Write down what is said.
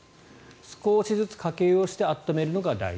少しずつかけ湯をして温めるのが大事。